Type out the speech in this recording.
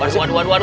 aduh aduh aduh aduh